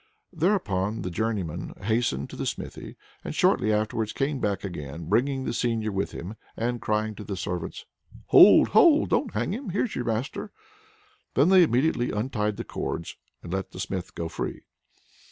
Thereupon the journeyman hastened to the smithy, and shortly afterwards came back again, bringing the seigneur with him, and crying to the servants: "Hold! hold! Don't hang him! Here's your master!" Then they immediately untied the cords, and let the Smith go free.